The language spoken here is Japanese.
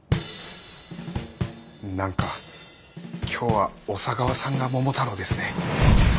何か今日は小佐川さんが桃太郎ですね。